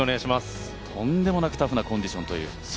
とんでもなくタフなコンディションという。